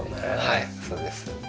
はいそうです。